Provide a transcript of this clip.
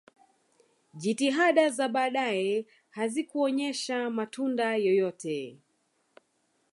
jitihada za baadaye hazikuonyesha matunda yoyote